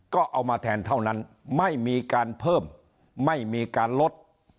ก็เอามาแทนเท่านั้นไม่มีการเพิ่มไม่มีการลด